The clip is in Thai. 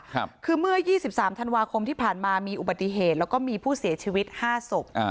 คือเมื่อยี่สิบสามธันวาคมที่ผ่านมามีอุบัติเหตุแล้วก็มีผู้เสียชีวิตห้าศพอ่า